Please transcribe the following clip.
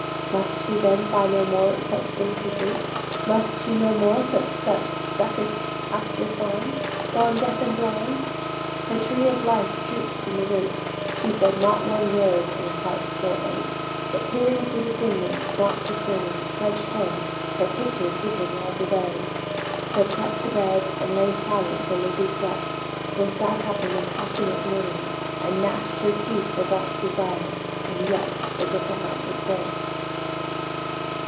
Must she then buy no more such dainty fruit? Must she no more such succous pasture find, Gone deaf and blind? Her tree of life droop'd from the root: She said not one word in her heart's sore ache; But peering thro' the dimness, nought discerning, Trudg'd home, her pitcher dripping all the way; So crept to bed, and lay Silent till Lizzie slept; Then sat up in a passionate yearning, And gnash'd her teeth for baulk'd desire, and wept As if her heart would break.